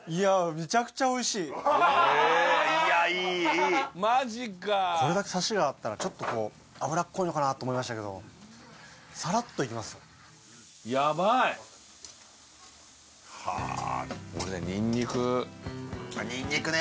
めちゃくちゃおいしいいやいいいいマジかこれだけサシがあったらちょっと脂っこいのかなと思いましたけどサラッといけますやばいっ俺ニンニクニンニクね